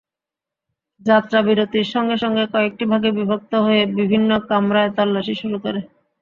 যাত্রাবিরতির সঙ্গে সঙ্গে কয়েকটি ভাগে বিভক্ত হয়ে বিভিন্ন কামরায় তল্লাশি শুরু করে।